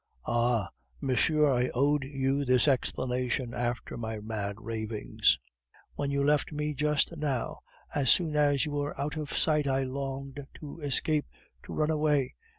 Ah! monsieur, I owed you this explanation after my mad ravings. When you left me just now, as soon as you were out of sight, I longed to escape, to run away...